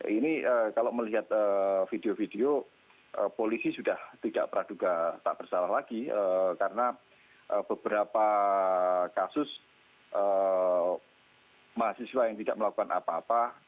ini kalau melihat video video polisi sudah tidak peraduga tak bersalah lagi karena beberapa kasus mahasiswa yang tidak melakukan apa apa